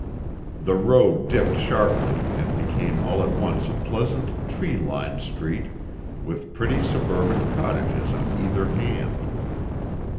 The road dipped sharply, and became all at once a pleasant, tree lined street with pretty suburban cottages on either hand.